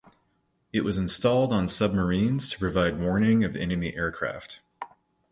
It was installed on submarines to provide warning of enemy aircraft.